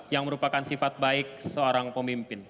yang merupakan sifat baik seorang pemimpin